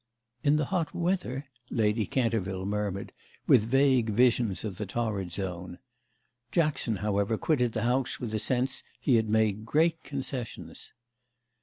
"In the hot weather?" Lady Canterville murmured with vague visions of the torrid zone. Jackson however quitted the house with the sense he had made great concessions.